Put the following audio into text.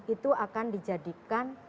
itu akan dijadikan